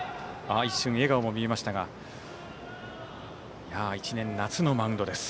一瞬、笑顔も見えましたが１年、夏のマウンドです。